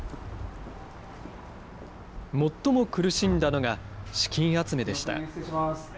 最も苦しんだのが資金集めでした。